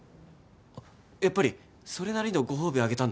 やっぱりそれなりのご褒美あげたんだろ？